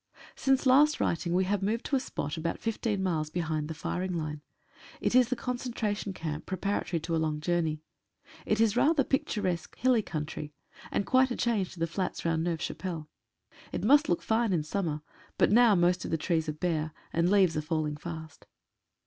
Since last writing we have moved to a spot about 15 miles behind the firing line. It is the concentration camp preparatory to a long journey. It is rather pic turesque hilly country, and quite a change to the flats round Neuve Chapelle. It must look fine in summer, but now most of the trees are bare, and leaves are falling fast.